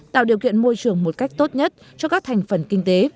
tạo điều kiện môi trường một cách tốt nhất cho các thành phần kinh tế